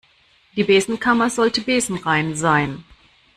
Die Besenkammer sollte besenrein sein.